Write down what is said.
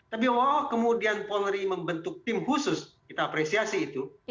tapi kalau kemudian polri membentuk tim khusus kita apresiasi itu